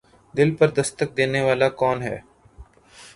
دل پر دستک دینے کون آ نکلا ہے